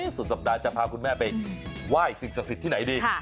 สุดสัปดาห์จะพาคุณแม่ไปไหว้สิ่งศักดิ์สิทธิ์ที่ไหนดี